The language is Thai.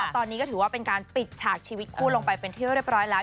ตอนนี้ก็ถือว่าเป็นการปิดฉากชีวิตคู่ลงไปเป็นที่เรียบร้อยแล้ว